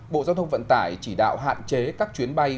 bộ giao thông vận tải chỉ đạo hạn chế các chuyến bay